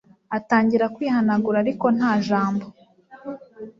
atangira kwihanagura ariko ntajambo